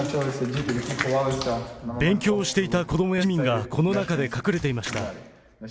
勉強していた子どもや市民がこの中で隠れていました。